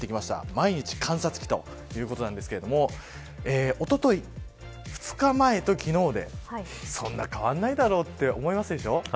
まいにち観察記ということですが２日前と昨日でそんな変わんないだろうと思いますでしょ。